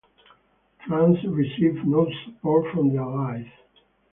France received no support from the Allies.